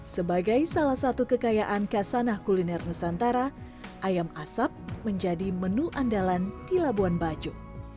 sebagai salah satu kekayaan kasanah kuliner nusantara ayam asap menjadi menu andalan di labuan bajo